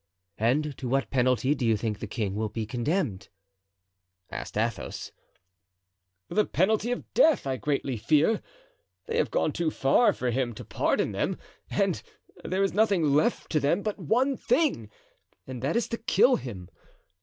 "And to what penalty do you think the king will be condemned?" asked Athos. "The penalty of death, I greatly fear; they have gone too far for him to pardon them, and there is nothing left to them but one thing, and that is to kill him.